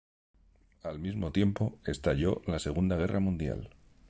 Al mismo tiempo, estalló la Segunda Guerra Mundial.